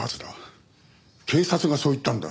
警察がそう言ったんだ。